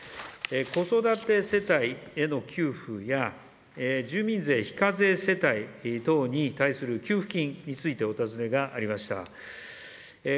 子育て世帯への給付や、住民税非課税世帯等に対する給付金についてお尋ねがありました。